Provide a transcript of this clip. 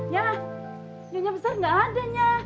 ya nyonya besar gak ada nya